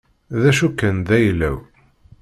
D acu kan, d ayla-w.